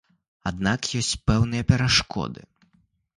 Аднак ёсць пэўныя перашкоды.